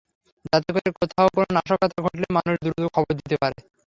যাতে করে কোথাও কোনো নাশকতা ঘটলে মানুষ দ্রুত খবর দিতে পারে।